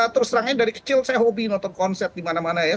terus terangnya dari kecil saya hobi nonton konsep di mana mana ya